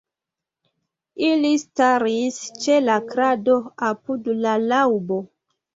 Ili staris ĉe la krado, apud la laŭbo.